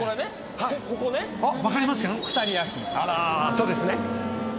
そうですね。